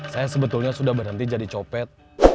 saya sebetulnya sudah berhenti jadi copet